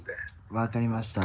分かりました。